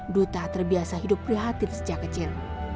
duta terbiasa hidup prihatin sejak kecil